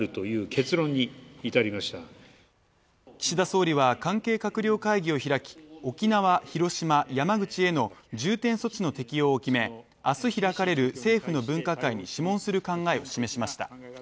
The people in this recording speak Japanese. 岸田総理は関係閣僚会議を開き、沖縄、広島、山口への重点措置の適用を決め明日開かれる政府の分科会に諮問する考えを示しました。